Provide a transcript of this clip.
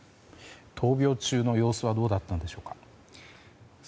闘病中の様子はどうだったんでしょうか。